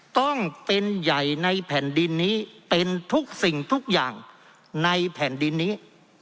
ต้องเป็นใหญ่ในแผ่นดินนี้เป็นทุกสิ่งทุกอย่างในแผ่นดินนี้